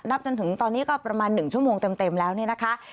จนถึงตอนนี้ก็ประมาณ๑ชั่วโมงเต็มแล้วเนี่ยนะคะ